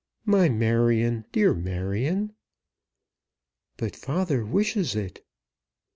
"My Marion! Dear Marion!" "But father wishes it."